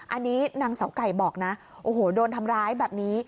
อันนี้นางเสาไก่บอกนะโอ้โหโดนทำร้ายแบบนี้